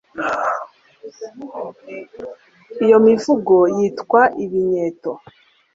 Iyo mivugo yitwaga “IBINYETO “